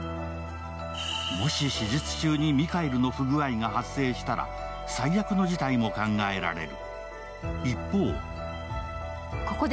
もし、手術中にミカエルの不具合が発生したら最悪の事態も考えられる。